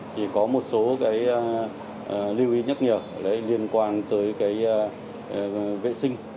có một số lưu ý nhất nhiều liên quan tới vệ sinh